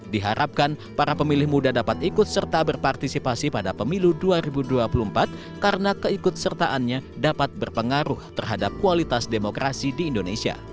diharapkan para pemilih muda dapat ikut serta berpartisipasi pada pemilu dua ribu dua puluh empat karena keikut sertaannya dapat berpengaruh terhadap kualitas demokrasi di indonesia